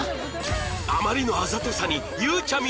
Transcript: あまりのあざとさにゆうちゃみ